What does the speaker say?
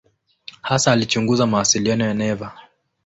Hasa alichunguza mawasiliano ya neva.